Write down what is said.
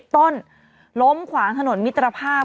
ต้นล้มขวางถนนมิตรภาพ